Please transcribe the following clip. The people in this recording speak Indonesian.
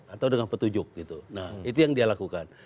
atau dengan petunjuk gitu nah itu yang dia lakukan